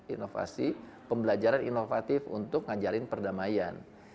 inovasi pembelajaran inovatif untuk mengajari perdamaian